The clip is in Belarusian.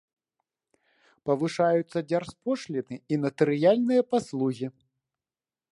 Павышаюцца дзяржпошліны і натарыяльныя паслугі.